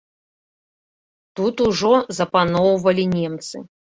Тут ужо запаноўвалі немцы.